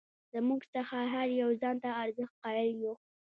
زموږ څخه هر یو ځان ته ارزښت قایل یو.